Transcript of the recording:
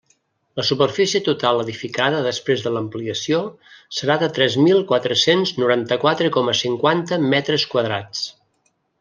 La superfície total edificada després de l'ampliació serà de tres mil quatre-cents noranta-quatre coma cinquanta metres quadrats.